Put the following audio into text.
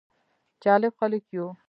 جالب خلک يو: